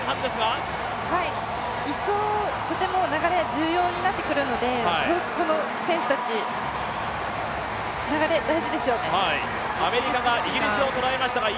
１走とても流れ、重要になってくるので選手たち、流れ、大事ですよね。